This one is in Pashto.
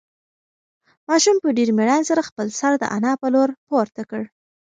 ماشوم په ډېرې مېړانې سره خپل سر د انا په لور پورته کړ.